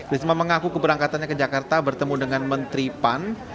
risma mengaku keberangkatannya ke jakarta bertemu dengan menteri pan